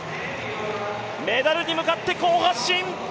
メダルに向かって好発進。